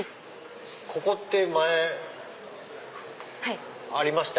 ここって前ありました？